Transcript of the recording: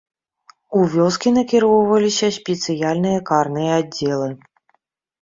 У вёскі накіроўваліся спецыяльныя карныя аддзелы.